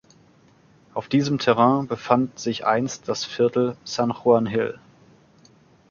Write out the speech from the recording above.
Auf diesem Terrain befand sich einst das Viertel San Juan Hill.